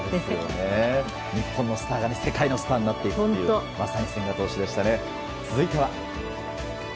日本のスターが世界のスターになっていくというＳＯＭＰＯ当たった！